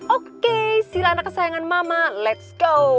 oke silahkan anak kesayangan mama let's go